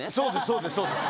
そうですそうです。